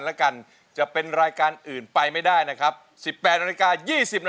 โดยผู้เข้าแข่งขันมีสิทธิ์ใช้ตัวช่วย๓ใน๖แผ่นป้ายตลอดการแข่งขัน